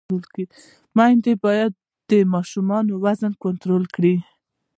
میندې باید د ماشوم وزن کنټرول کړي۔